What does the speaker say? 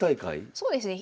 そうですね。